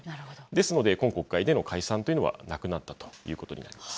ですので、今国会での解散というのは、なくなったということになります。